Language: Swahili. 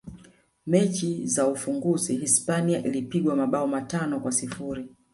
mechi za ufunguzi hispania ilipigwa mabao matano kwa sifuri